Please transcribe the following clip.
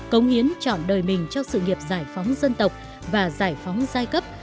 cống hiến chọn đời mình cho sự nghiệp giải phóng dân tộc và giải phóng giai cấp